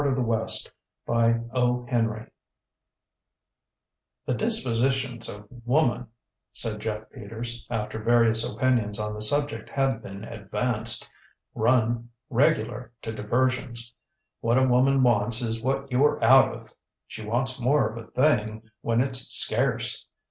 X CUPID ├Ć LA CARTE ŌĆ£The dispositions of woman, ŌĆØ said Jeff Peters, after various opinions on the subject had been advanced, ŌĆ£run, regular, to diversions. What a woman wants is what youŌĆÖre out of. She wants more of a thing when itŌĆÖs scarce.